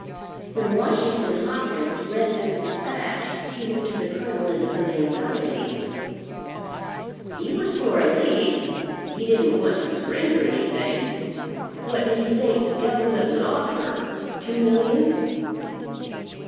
When Washington Hawkins read this despatch, he went to the Colonel in some anxiety. He was for a lease, he didn't want to surrender anything. What did he think the government would offer? Two millions?